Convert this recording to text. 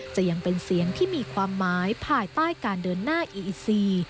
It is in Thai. ยังเป็นเสียงที่มีความหมายภายใต้การเดินหน้าอีอิซี